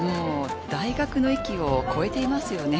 大学の域を超えてますよね。